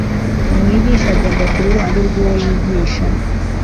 umwigisha agomba kuba iruhande rw'uwo yigisha